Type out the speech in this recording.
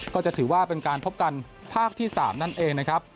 ก็จะถือว่าเป็นการพบกันภาคที่๓นั่นเองนะครับ